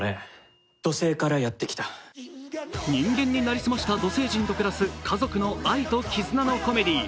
人間になりすました土星人と暮らす家族の愛と絆のコメディー